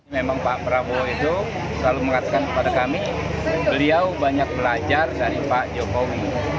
memang pak prabowo itu selalu mengatakan kepada kami beliau banyak belajar dari pak jokowi